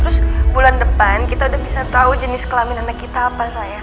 terus bulan depan kita udah bisa tahu jenis kelamin anak kita apa saya